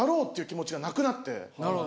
なるほど。